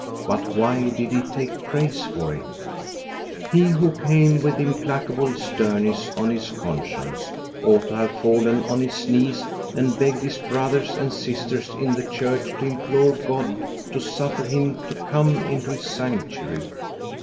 But why did he take praise for it ? He, who came with implacable sternness on his mscience, ought to have fallen on his knees and 334 THE STORY OF GOSTA BERLING begged his brothers and sisters in the church to implore God to suffer him to come into his sanctu ary.